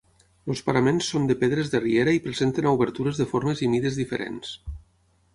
Els paraments són de pedres de riera i presenten obertures de formes i mides diferents.